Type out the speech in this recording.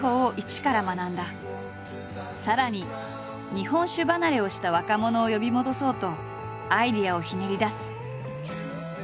さらに日本酒離れをした若者を呼び戻そうとアイデアをひねり出す。